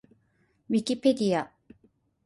ウィキペディア